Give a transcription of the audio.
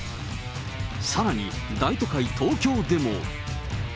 さらに、大都会、東京でも。